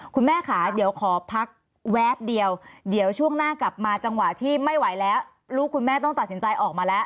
คุณแม่ค่ะเดี๋ยวขอพักแวบเดียวเดี๋ยวช่วงหน้ากลับมาจังหวะที่ไม่ไหวแล้วลูกคุณแม่ต้องตัดสินใจออกมาแล้ว